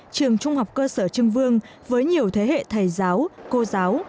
trường trung học cơ sở trưng vương với nhiều thế hệ thầy giáo cô giáo